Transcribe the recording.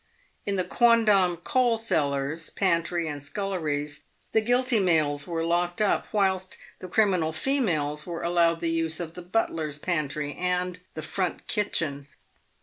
In the quondam coal cellars, pantry, and sculleries the guilty males were locked up, whilst the criminal females were allowed the use of the butler's pantry and the front kitchen.